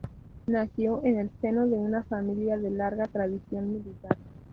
Nació en el seno de una familia de larga tradición militar.